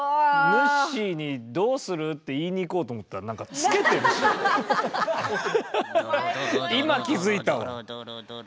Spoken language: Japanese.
ぬっしーにどうする？って言いに行こうと思ったら何か今気付いたわ。